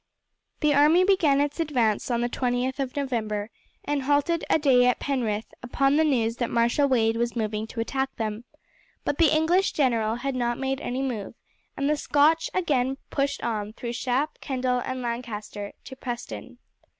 The army began its advance on the 20th of November, and halted a day at Penrith, upon the news that Marshal Wade was moving to attack them; but the English general had not made any move, and the Scotch again pushed on through Shap, Kendal, and Lancaster, to Preston.